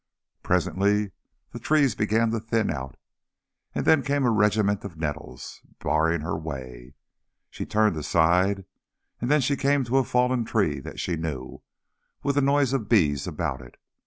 Presently the trees began to thin out, and then came a regiment of nettles barring the way. She turned aside, and then she came to a fallen tree that she knew, with a noise of bees about it.